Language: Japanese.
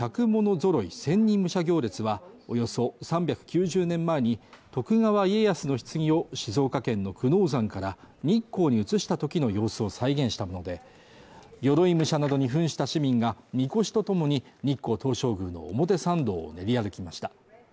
揃千人武者行列はおよそ３９０年前に徳川家康のひつぎを静岡県の久能山から日光に移したときの様子を再現したもので、鎧武者などにふんした市民がみこしとともに日光東照宮の表参道を練り歩きました。